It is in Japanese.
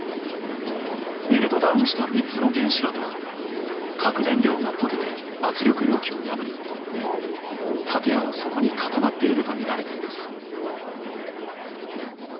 メルトダウンした３つの原子炉では核燃料が溶けて、圧力容器を破り建屋の底に固まっているとみられています。